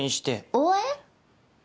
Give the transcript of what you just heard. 応援？